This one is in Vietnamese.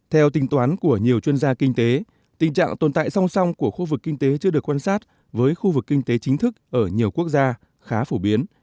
theo tính toán của nhiều chuyên gia kinh tế tình trạng tồn tại song song của khu vực kinh tế chưa được quan sát với khu vực kinh tế chính thức ở nhiều quốc gia khá phổ biến